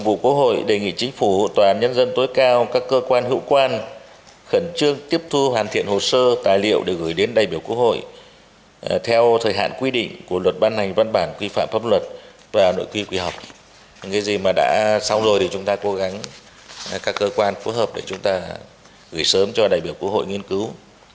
mà đã xong rồi thì chúng ta cố gắng các cơ quan phối hợp để chúng ta gửi sớm cho đại biểu quốc hội nghiên cứu